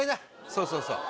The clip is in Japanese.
そうそうそう。